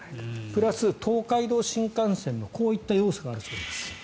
プラス、東海道新幹線はこういった要素があるそうです。